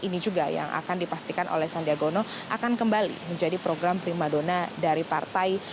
ini juga yang akan dipastikan oleh sandiagono akan kembali menjadi program primadona dari partai